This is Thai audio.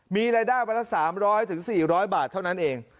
มีรายได้วันละ๓๐๐๔๐๐บาทเท่านั้นเอง